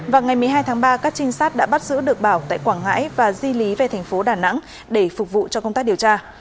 vào ngày một mươi hai tháng ba các trinh sát đã bắt giữ được bảo tại quảng ngãi và di lý về thành phố đà nẵng để phục vụ cho công tác điều tra